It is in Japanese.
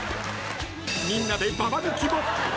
みんなでババ抜きも。